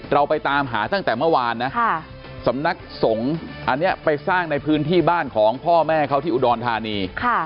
เราไปตามหาตั้งแต่เมื่อวานนะสำนักสงฆ์อันนี้ไปสร้างในพื้นที่บ้านของพ่อแม่เขาที่อุดรธานี